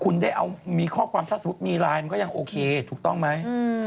คุณได้เอามีข้อความถ้าสมมุติมีไลน์มันก็ยังโอเคถูกต้องไหม